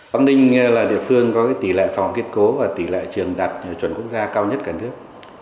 bắc ninh là địa phương có tỷ lệ phòng học kiên cố và tỷ lệ trường đặt chuẩn quốc gia cao nhất cả nước